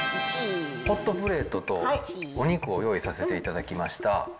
ホットプレートとお肉を用意させていただきました。